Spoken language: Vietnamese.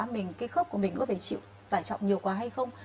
mình cái khớp của mình có phải chịu tải trọng nhiều quá hay không